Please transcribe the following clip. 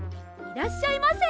いらっしゃいませ！